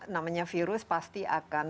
namanya virus pasti akan